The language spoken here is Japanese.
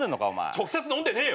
直接飲んでねえよ。